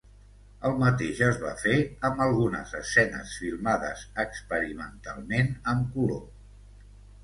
El mateix es va fer amb algunes escenes filmades experimentalment amb color.